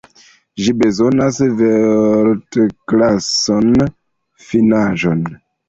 Ĝi bezonas vortklasan finaĵon.